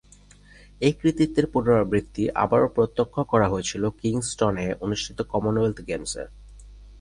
একই কৃতিত্বের পুনরাবৃত্তি আবারও প্রত্যক্ষ করা হয়েছিল কিংস্টন এ অনুষ্ঠিত কমনওয়েলথ গেমস এ।